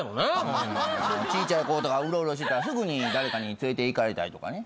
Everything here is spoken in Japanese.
小ちゃい子とかうろうろしてたらすぐに誰かに連れていかれたりとかね。